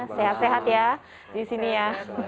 sehat sehat ya di sini ya